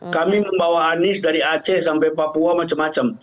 kami membawa anies dari aceh sampai papua macam macam